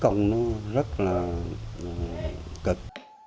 còn nó rất là cực